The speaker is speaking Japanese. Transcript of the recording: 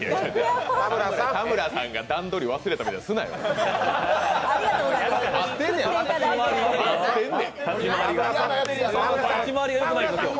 田村さんが段取り忘れたみたいにすなよ。